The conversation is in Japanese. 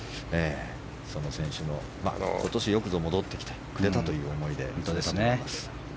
その選手が、今年よくぞ戻ってきてくれたという思いで見届けたと思います。